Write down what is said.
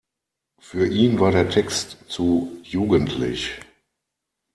Für ihn war der Text zu jugendlich.